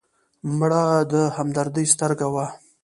مړه د همدردۍ سترګه وه